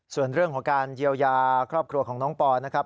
ส่วนเรื่องของการเยียวยาครอบครัวของน้องปอนะครับ